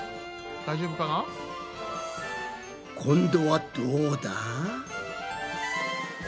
大丈夫かな？今度はどうだ？